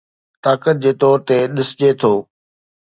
طاقت جي طور تي ڏسجي ٿو